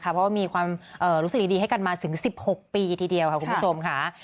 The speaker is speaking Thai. เพราะว่ามีความรู้สึกดีให้กันมาถึง๑๖ปีทีเดียวค่ะคุณผู้ชมค่ะ